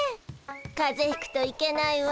かぜひくといけないわ。